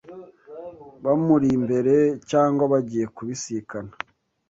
bamuri imbere cyangwa bagiye kubisikana